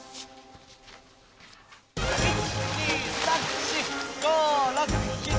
１、２、３、４５、６、７、８。